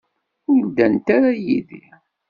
Ur ddant ara yid-i.